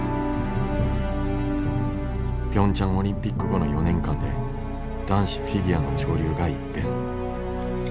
ピョンチャンオリンピック後の４年間で男子フィギュアの潮流が一変。